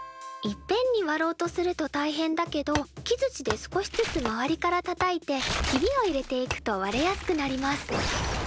いっぺんに割ろうとすると大変だけど木づちで少しずつ周りからたたいてヒビを入れていくと割れやすくなります。